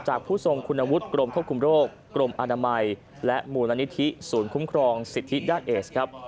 ผู้ทรงคุณวุฒิกรมควบคุมโรคกรมอนามัยและมูลนิธิศูนย์คุ้มครองสิทธิด้านเอสครับ